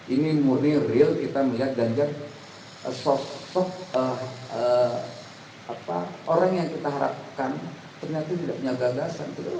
ini murni real kita melihat ganjar sosok orang yang kita harapkan ternyata tidak punya gagasan